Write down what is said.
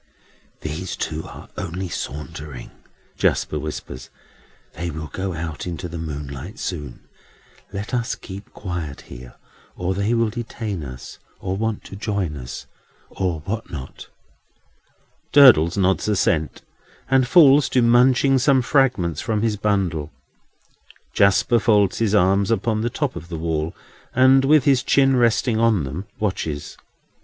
"Those two are only sauntering," Jasper whispers; "they will go out into the moonlight soon. Let us keep quiet here, or they will detain us, or want to join us, or what not." Durdles nods assent, and falls to munching some fragments from his bundle. Jasper folds his arms upon the top of the wall, and, with his chin resting on them, watches.